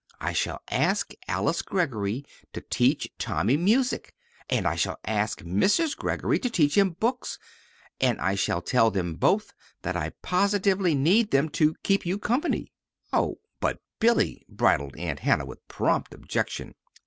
"I shall ask Alice Greggory to teach Tommy music, and I shall ask Mrs. Greggory to teach him books; and I shall tell them both that I positively need them to keep you company." "Oh, but Billy," bridled Aunt Hannah, with prompt objection.